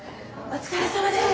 お疲れさまです。